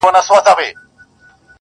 یو وصیت یې په حُجره کي وو لیکلی!.